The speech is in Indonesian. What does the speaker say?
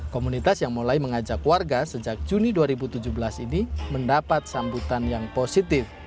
komunitas yang mulai mengajak warga sejak juni dua ribu tujuh belas ini mendapat sambutan yang positif